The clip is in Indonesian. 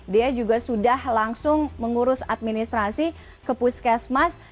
dia juga sudah langsung mengurus administrasi ke puskesmas